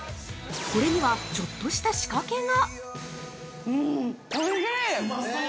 これには、ちょっとした仕掛けが。